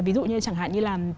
ví dụ như chẳng hạn như là